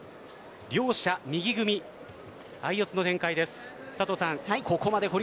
両者、右組み相四つの展開です。